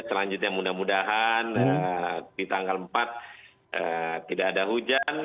selanjutnya mudah mudahan di tanggal empat tidak ada hujan